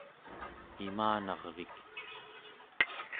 imanarvik